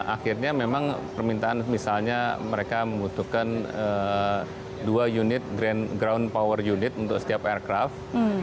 akhirnya memang permintaan misalnya mereka membutuhkan dua unit ground power unit untuk setiap aircraft